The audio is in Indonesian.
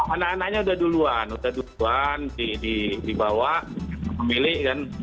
anak anaknya sudah duluan sudah duluan dibawa memilih